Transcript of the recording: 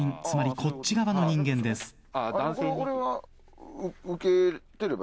つまりこっち側の人間です。